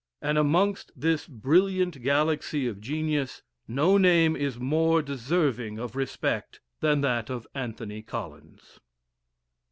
And amongst this brilliant galaxy of genius, no name is more deserving of respect than that of Anthony Collins.